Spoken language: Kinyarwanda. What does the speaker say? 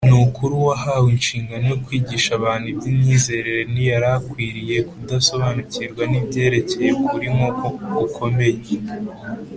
” N’ukuri uwahawe inshingano yo kwigisha abantu iby’imyizerere ntiyari akwiriye kudasobanukirwa n’ibyerekeye ukuri nk’uku gukomeye.